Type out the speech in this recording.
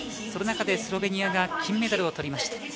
その中で、スロベニアが金メダルをとりました。